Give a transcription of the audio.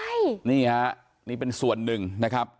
ใช่นี่ฮะนี่เป็นส่วนหนึ่งนะครับ